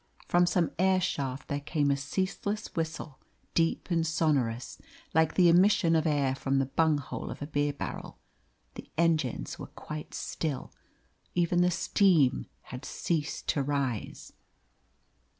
From some air shaft there came a ceaseless whistle, deep and sonorous, like the emission of air from the bunghole of a beer barrel. The engines were quite still, even the steam had ceased to rise.